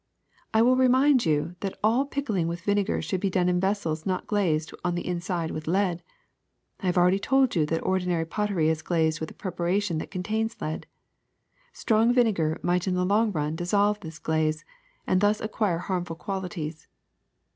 I will remind you that all pick ling with vinegar should be done in vessels not glazed on the inside with lead. I have already told you that ordinary pottery is glazed with a preparation that contains lead. Strong vinegar might in the long run dissolve this glaze and thus acquire harmful quali ties.